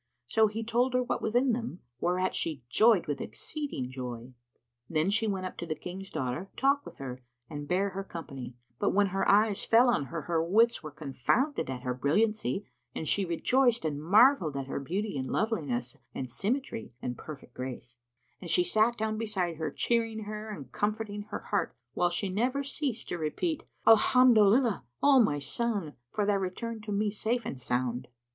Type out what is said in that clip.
So he told her what was in them, whereat she joyed with exceeding joy. Then she went up to the King's daughter, to talk with her and bear her company; but, when her eyes fell on her, her wits were confounded at her brilliancy and she rejoiced and marvelled at her beauty and loveliness and symmetry and perfect grace: and she sat down beside her, cheering her and comforting her heart while she never ceased to repeat "Alhamdolillah, O my son, for thy return to me safe and sound!"